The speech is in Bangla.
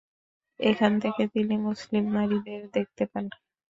এখান থেকে তিনি মুসলিম নারীদের দেখতে পান।